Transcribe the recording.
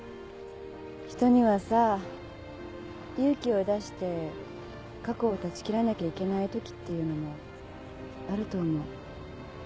人にはさ勇気を出して過去を断ち切らなきゃいけないときっていうのもあると思う。